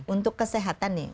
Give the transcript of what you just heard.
untuk kesehatan nih